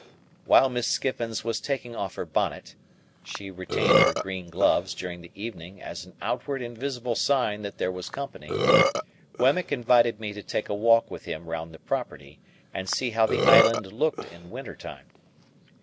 While Miss Skiffins was taking off her bonnet (she retained her green gloves during the evening as an outward and visible sign that there was company), Wemmick invited me to take a walk with him round the property, and see how the island looked in wintertime.